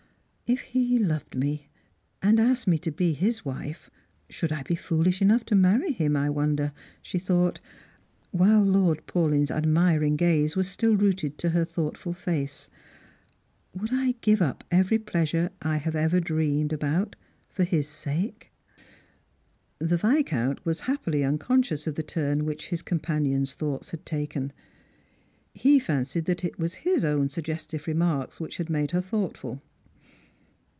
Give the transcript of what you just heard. " If he loved me, and asked me to be his wife, should I be foohsh enough to marry him, I wonder?" she thought, while Lord Paulyn's admiring gaze was still rooted to her thoughtful face; "would 1 give up every pleasure I have ever dreamed about fer his sake ?" The Viscount was happily unconscious of the turn which hia companion's thoughts had taken. He fancied that it was Ida own suggestive remarks which had made her thougi»Vful.